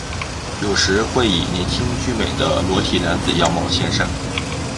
有时会以年轻俊美的裸体男子样貌现身。